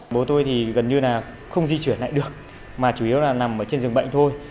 bố tôi thì gần như là không di chuyển lại được mà chủ yếu là nằm trên giường bệnh thôi